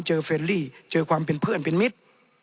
เฟรลี่เจอความเป็นเพื่อนเป็นมิตร